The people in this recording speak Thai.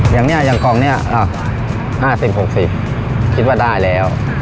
อย่างเนี่ยอย่างกล่องนี้๕๐๖๐คิดว่าได้แล้ว